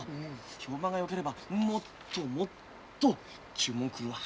評判がよければもっともっと注文来るわ。